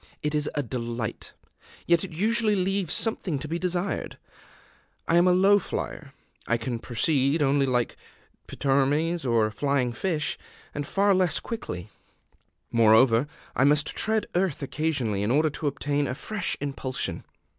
It is a delight; yet it usually leaves something to be desired. I am a low flyer; I can proceed only like a pteromys or a flying fish and far less quickly: moreover, I must tread earth occasionally in order to obtain a fresh impulsion.